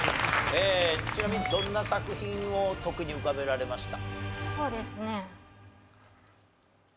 ちなみにどんな作品を特に浮かべられました？